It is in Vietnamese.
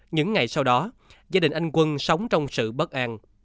những ngày sau đó gia đình anh quân sống trong sự bất an